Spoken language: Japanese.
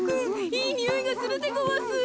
いいにおいがするでごわす。